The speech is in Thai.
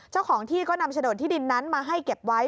เจ้าของที่ก็นำโฉนดที่ดินนั้นมาให้เก็บไว้